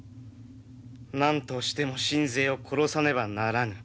何としても信西を殺さねばならぬ。